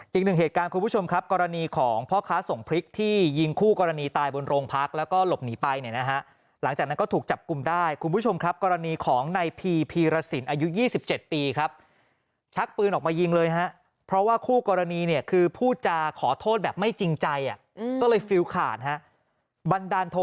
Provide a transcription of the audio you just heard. อีกหนึ่งเหตุการณ์คุณผู้ชมครับกรณีของพ่อค้าส่งพริกที่ยิงคู่กรณีตายบนโรงพักแล้วก็หลบหนีไปเนี่ยนะฮะหลังจากนั้นก็ถูกจับกลุ่มได้คุณผู้ชมครับกรณีของในพีพีรสินอายุ๒๗ปีครับชักปืนออกมายิงเลยฮะเพราะว่าคู่กรณีเนี่ยคือพูดจาขอโทษแบบไม่จริงใจอ่ะก็เลยฟิลขาดฮะบันดาล